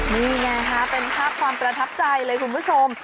นี่ไงฮะเป็นภาพความประทับใจเลยคุณผู้ชม